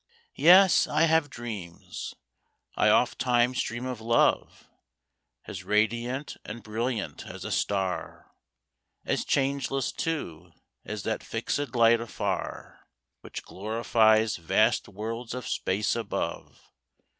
Yes, I have dreams. I ofttimes dream of Love As radiant and brilliant as a star. As changeless, too, as that fixed light afar Which glorifies vast worlds of space above.